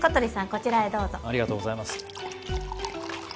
こちらへどうぞありがとうございます